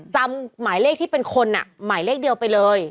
จำหมายเลขที่เป็นคนหมายเลขเดียวไปเลย